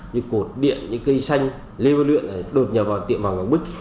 như cột điện những cây xanh lê vơ luyện đột nhập vào tiệm bằng bức